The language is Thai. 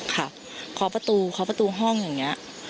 เคาะประตูเคาะประตูห้องอย่างนี้